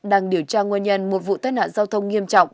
đang điều tra nguyên nhân một vụ tai nạn giao thông nghiêm trọng